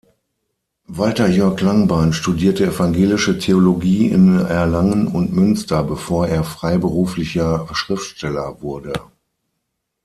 Walter-Jörg Langbein studierte evangelische Theologie in Erlangen und Münster, bevor er freiberuflicher Schriftsteller wurde.